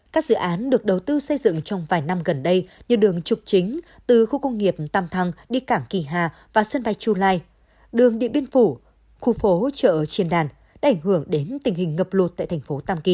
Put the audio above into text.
các dự án được đầu tư xây dựng trong vài năm gần đây như đường trục chính từ khu công nghiệp tam thăng đi cảng kỳ hà và sân bay chu lai đường điện biên phủ khu phố chợ triền đàn đã ảnh hưởng đến tình hình ngập lụt tại thành phố tam kỳ